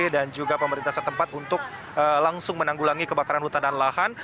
dan juga pemerintah setempat untuk langsung menanggulangi kebakaran hutan dan lahan